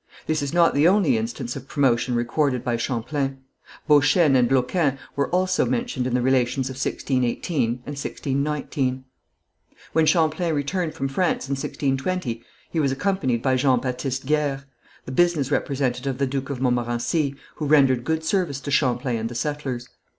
This is not the only instance of promotion recorded by Champlain. Beauchesne and Loquin are also mentioned in the Relations of 1618 and 1619. When Champlain returned from France in 1620, he was accompanied by Jean Baptiste Guers, the business representative of the Duke of Montmorency, who rendered good service to Champlain and the settlers.